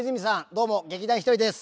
どうも劇団ひとりです。